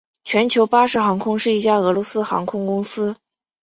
全球巴士航空是一家俄罗斯航空公司。